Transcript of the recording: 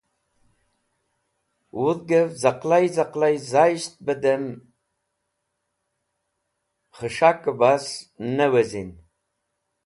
Wudhgẽv z̃aqlay z̃aqlay zayisht bẽ dam khẽs̃hakẽ bas ne wezin.